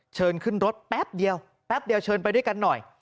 เชิญขึ้นรถแป๊บเดียวแป๊บเดียวเชิญไปด้วยกันหน่อย